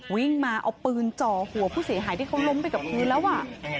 วิ่งมาเอาปืนจ่อหัวผู้เสียหายที่เขาล้มไปกับพื้นแล้วอ่ะ